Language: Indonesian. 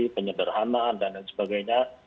penyeberhanaan dan sebagainya